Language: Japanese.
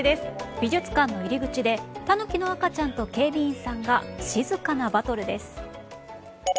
美術館の入り口でタヌキの赤ちゃんと警備員さんが静かなバトルです。